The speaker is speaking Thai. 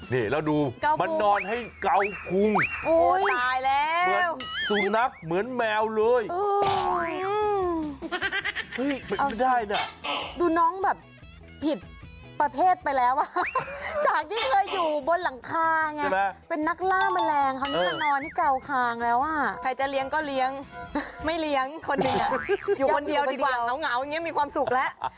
นี่เราดูมันนอนให้เกาคุง